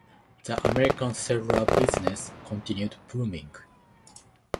The American cellular business continued booming.